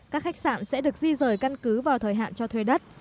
các khách sạn sẽ được di rời căn cứ vào thời hạn cho thuê đất